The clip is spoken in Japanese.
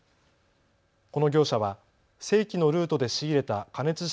この業者は正規のルートで仕入れた加熱式